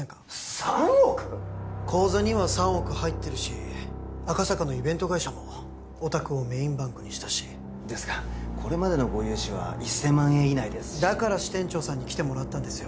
口座には３億入ってるし赤坂のイベント会社もお宅をメインバンクにしたしですがこれまでのご融資は１千万円以内ですしだから支店長さんに来てもらったんですよ